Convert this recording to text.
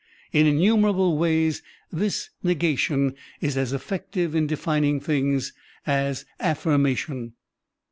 In inntimerable ways, this negation is as effective in defining things as affirmation.